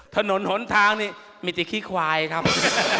ถนนหนทางนี่มีแต่ขี้ควายครับ